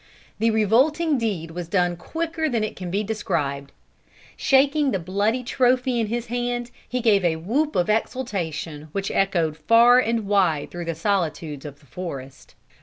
The revolting deed was done quicker than it can be described. Shaking the bloody trophy in his hand, he gave a whoop of exultation which echoed far and wide through the solitudes of the forest.